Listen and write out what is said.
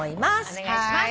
お願いします。